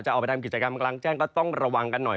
ออกไปทำกิจกรรมกลางแจ้งก็ต้องระวังกันหน่อย